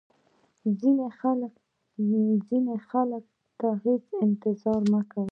ځینو خلکو ته هیڅ انتظار مه کوئ.